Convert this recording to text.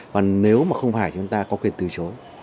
còn nếu mà không phải chúng ta có quyền từ chối